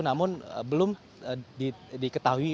namun belum diketahui